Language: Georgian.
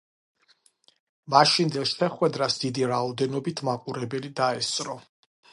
მაშინდელ შეხვედრას დიდი რაოდენობით მაყურებელი დაესწრო.